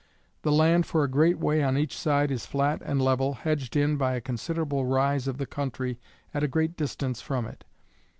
The land for a great way on each side is flat and level, hedged in by a considerable rise of the country at a great distance from it.